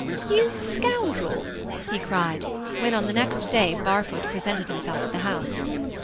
"You scoundrel!" he cried, when, on the next day, Barfoot presented himself at the house.